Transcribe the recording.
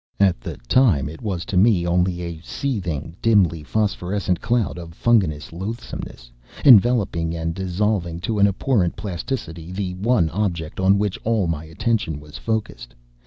At the time, it was to me only a seething, dimly phosphorescent cloud of fungous loathsomeness, enveloping and dissolving to an abhorrent plasticity the one object on which all my attention was focussed.